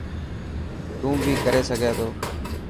تون بي ڪري سگهي ٿو.